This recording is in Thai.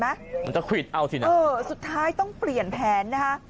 มันจะควิดเอาสินะเออสุดท้ายต้องเปลี่ยนแผนนะคะ